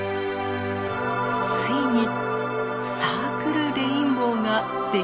ついにサークルレインボーができ上がりました。